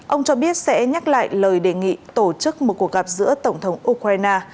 ông cho biết sẽ nhắc lại lời đề nghị tổ chức một cuộc gặp giữa tổng thống ukraine